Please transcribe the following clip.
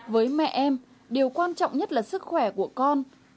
với mẹ em điều quan trọng nhất là sức khỏe của con